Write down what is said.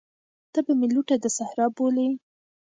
ته به مي لوټه د صحرا بولې